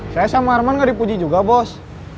saya sama arman gak dipuji juga bos